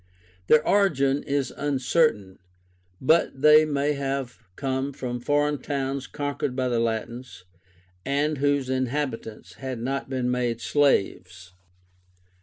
Their origin is uncertain; but they may have come from foreign towns conquered by the Latins, and whose inhabitants had not been made slaves.